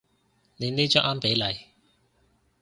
你呢張啱比例